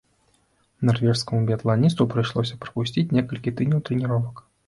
Нарвежскаму біятланісту прыйшлося прапусціць некалькі тыдняў трэніровак.